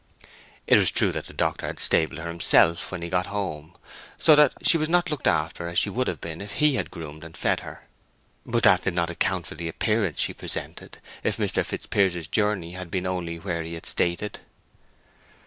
It was true that the doctor had stabled her himself when he got home, so that she was not looked after as she would have been if he had groomed and fed her; but that did not account for the appearance she presented, if Mr. Fitzpiers's journey had been only where he had stated.